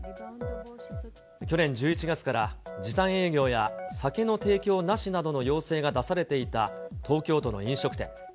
去年１１月から、時短営業や酒の提供なしなどの要請が出されていた東京都の飲食店。